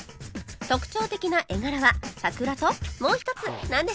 特徴的な絵柄は桜ともう一つなんでしょう？